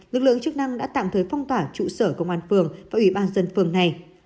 lực lượng chức năng đã tạm thời phong tỏa trụ sở công an phường và ủy ban dân phường này